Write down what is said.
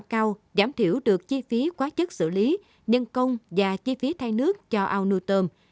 cao giảm thiểu được chi phí quá chức xử lý nhân công và chi phí thay nước cho ao nuôi tôm